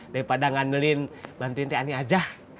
daripada ngandelin bantuin tia ani aja